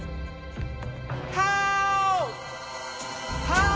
はあ。